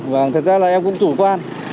vâng thực ra là em cũng chủ quân